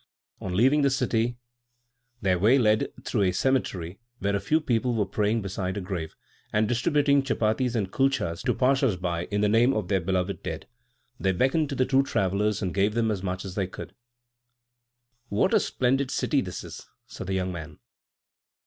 On leaving the city their way led through a cemetery where a few people were praying beside a grave and distributing chapatis and kulchas to passers by, in the name of their beloved dead. They beckoned to the two travellers and gave them as much as they would. "What a splendid city this is!" said the young man.